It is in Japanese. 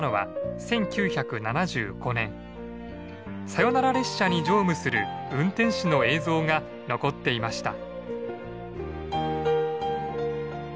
サヨナラ列車に乗務する運転士の映像が残っていました。